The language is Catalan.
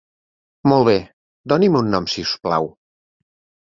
Molt bé, doni'm un nom si us plau.